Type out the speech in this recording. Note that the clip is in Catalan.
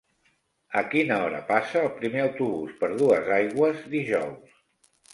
A quina hora passa el primer autobús per Duesaigües dijous?